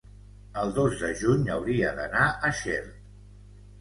El dos de juny hauria d'anar a Xert.